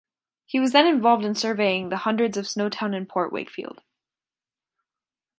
He was then involved in surveying the hundreds of Snowtown and Port Wakefield.